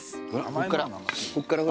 こっから。